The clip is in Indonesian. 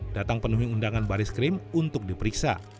datang penuhi undangan baris krim untuk diperiksa